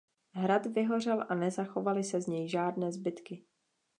Hrad vyhořel a nezachovaly se z něj žádné zbytky.